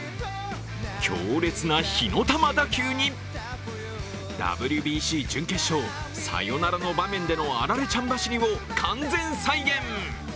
強烈な火の玉打球にＷＢＣ準決勝、サヨナラの場面でのアラレちゃん走りを完全再現。